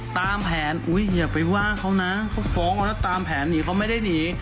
ตามแผนอย่าไปว่าเขานะเขาฟ้องเอาแล้วตามแผนหนีเขาไม่ได้หนี